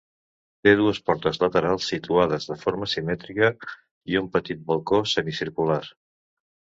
Té dues portes laterals situades de forma simètrica i un petit balcó semicircular.